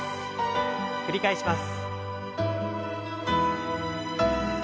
繰り返します。